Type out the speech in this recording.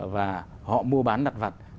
và họ mua bán đặt vặt